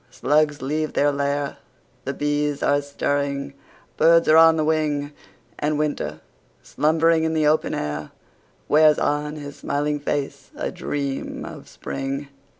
Slugs leave their lair— The bees are stirring—birds are on the wing— And Winter, slumbering in the open air, Wears on his smiling face a dream of Spring!